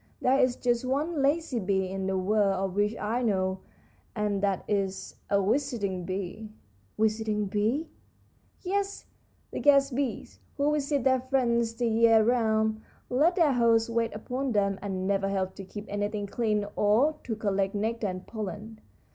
There is just one lazy bee in the world of which I know, and that is a visiting bee." "Visiting bees?" "Yes, the guest bees, who visit their friends the year round, let their hosts wait upon them, and never help to keep anything clean or to collect nectar and pollen.